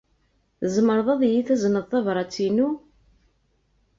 Tzemreḍ ad iyi-tazneḍ tabṛat-inu?